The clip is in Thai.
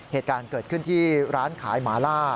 เหตุการณ์เกิดขึ้นที่ร้านขายหมาล่า